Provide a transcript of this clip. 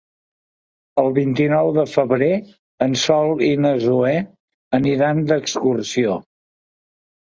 El vint-i-nou de febrer en Sol i na Zoè aniran d'excursió.